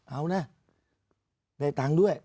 เอานะได้ตังค์ด้วย